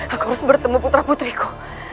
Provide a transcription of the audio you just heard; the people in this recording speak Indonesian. aku harus bertemu putra putriku